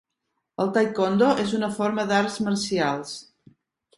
El taekwondo és una forma d'arts marcials.